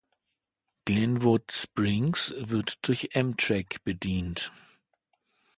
Glenwood Springs wird durch Amtrak bedient.